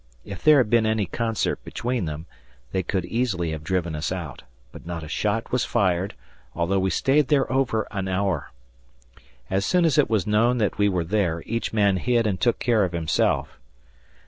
If there had been any concert between them, they could easily have driven us out; but not a shot was fired although we stayed there over an hour. As soon as it was known that we were there, each man hid and took care of himself.